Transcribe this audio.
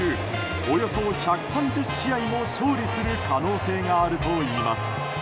およそ１３０試合を勝利する可能性があるといいます。